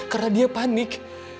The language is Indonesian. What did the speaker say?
karena dia panik